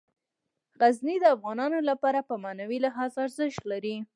غزني د افغانانو لپاره په معنوي لحاظ ارزښت لري.